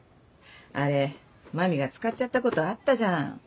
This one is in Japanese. あれ麻美が使っちゃったことあったじゃん。